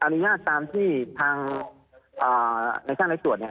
อนุญาตตามที่ทางนิชชั่นละตรวจ